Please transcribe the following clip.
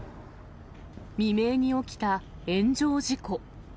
未明に起きた炎上事故。